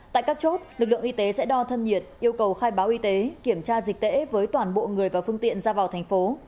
tại các chốt lực lượng y tế sẽ đo thân nhiệt yêu cầu khai báo y tế kiểm tra dịch tễ với toàn bộ người và phương tiện ra vào thành phố